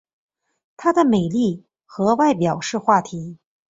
她的美丽和外表是话题。